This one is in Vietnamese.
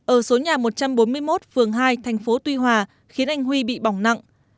ở số nhà một trăm bốn mươi một phường hai thành phố tuy hòa khiến anh huy bị bỏng nặng